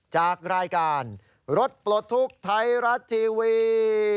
จากรายการรถปลดทุกข์ไทยรัฐทีวี